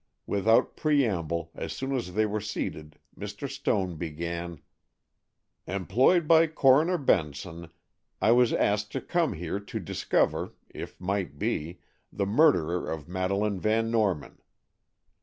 Without preamble, as soon as they were seated Mr. Stone began: "Employed by Coroner Benson, I was asked to come here to discover, if might be, the murderer of Miss Madeleine Van Norman.